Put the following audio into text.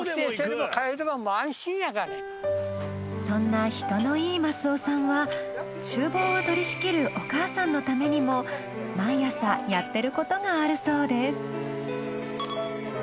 そんな人のいい益男さんは厨房を取り仕切るお母さんのためにも毎朝やってる事があるそうです。